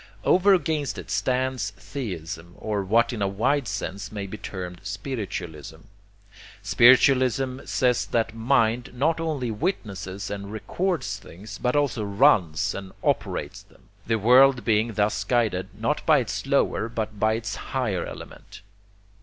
Over against it stands 'theism,' or what in a wide sense may be termed 'spiritualism.' Spiritualism says that mind not only witnesses and records things, but also runs and operates them: the world being thus guided, not by its lower, but by its higher element.